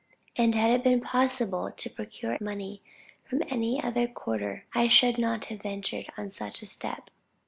And had it been possible to procure money from any other quarter, I should not have ventured on such a step.